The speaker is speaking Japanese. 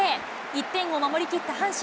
１点を守り切った阪神。